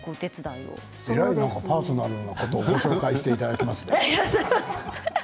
えらいパーソナルなことをご紹介していただけますね。